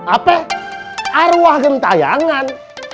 apa arwah kentayangan